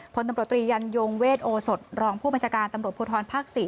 ผลตำระตรียันยงเวชโอสดรองผู้มัจจาการตำระปุทธรภาคสี่